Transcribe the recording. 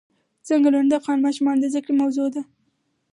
چنګلونه د افغان ماشومانو د زده کړې موضوع ده.